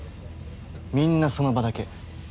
みんなその場だけ。